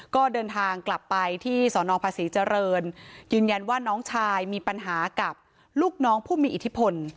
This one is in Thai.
ก็เดินทางกลับไปที่สนภาษีเจริญยืนยันว่าน้องชายมีปัญหากับลูกน้องผู้มีอิทธิพล